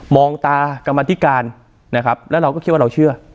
มองตากรรมธิการนะครับแล้วเราก็คิดว่าเราเชื่อ